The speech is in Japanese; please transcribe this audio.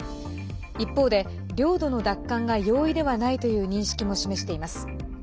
一方で領土の奪還が用意ではないという認識も示しています。